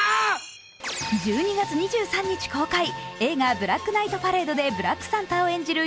１２月２３日公開映画「ブラックナイトパレード」でブラックサンタを演じる